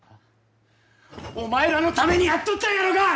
お前らのためにやっとったんやろが！